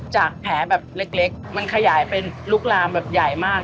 จากแผลเล็กมันขยายเป็นลูกรามใหญ่มาก